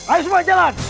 ayo semua jalan